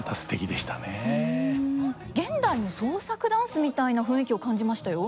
現代の創作ダンスみたいな雰囲気を感じましたよ。